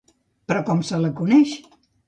Però com se la coneix?